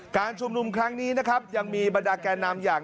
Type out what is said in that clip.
การชุมนุมครั้งนี้นะครับยังมีบรรดาแก่นำอย่าง